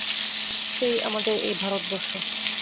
সেই আমাদের এই ভারতবর্ষ!